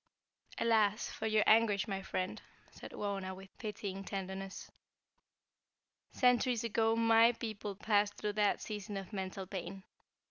"Alas, for your anguish, my friend," said Wauna, with pityng tenderness. "Centuries ago my people passed through that season of mental pain.